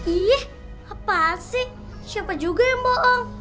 ih apa asik siapa juga yang bohong